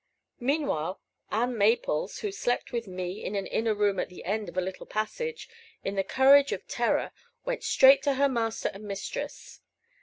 Meanwhile Ann Maples, who slept with me in an inner room at the end of a little passage, in the courage of terror went straight to her master and mistress.